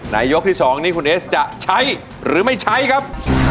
ยกที่๒นี้คุณเอสจะใช้หรือไม่ใช้ครับ